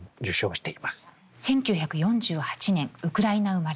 １９４８年ウクライナ生まれ。